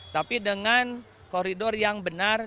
tapi dengan koridor yang benar